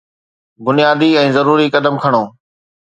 بنيادي ۽ ضروري قدم کڻو